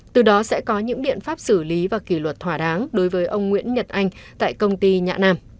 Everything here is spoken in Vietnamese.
từ đó sẽ có những biện pháp xử lý và kỷ luật thỏa đáng đối với ông nguyễn nhật anh tại công ty nhạ nam